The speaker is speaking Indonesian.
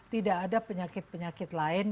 tidak ada penyakit penyakit lain